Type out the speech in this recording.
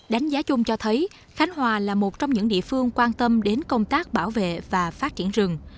đánh giá chung cho thấy khánh hòa là một trong những địa phương quan tâm đến công tác bảo vệ và phát triển rừng